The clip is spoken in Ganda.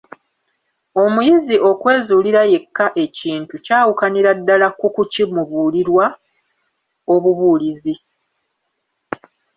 Omuyizi okwezuulira yekka ekintu kyawukanira ddala ku ku kimubuulirwa obubulizi.